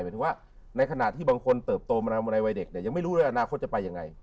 หมายถึงว่าในขณะที่บางคนเติบโตมาในวัยเด็กเนี่ยยังไม่รู้เลยอนาคตจะไปยังไง